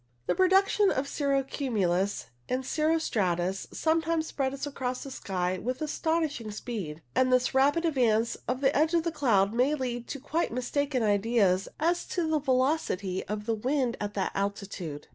The production of cirro cumulus and cirro stratus sometimes spreads across the sky with astonishing speed, and this rapid advance of the edge of the cloud may lead to quite mistaken ideas as to the velocity of the wind at that altitude.